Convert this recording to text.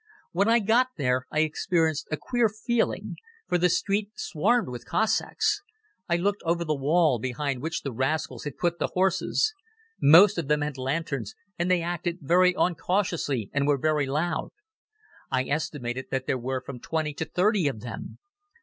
When I got there I experienced a queer feeling, for the street swarmed with Cossacks. I looked over the wall, behind which the rascals had put the horses. Most of them had lanterns, and they acted very uncautiously and were very loud. I estimated that there were from twenty to thirty of them.